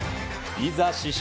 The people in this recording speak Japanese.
いざ試食。